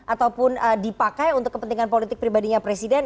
ataupun dipakai untuk kepentingan politik pribadinya presiden